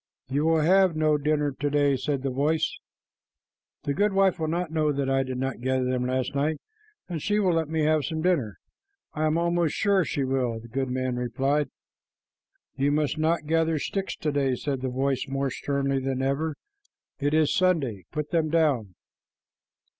"You will have no dinner to day," said the voice. "The goodwife will not know that I did not gather them last night, and she will let me have some dinner. I am almost sure she will," the goodman replied. "You must not gather sticks to day," said the voice more sternly than ever. "It is Sunday. Put them down."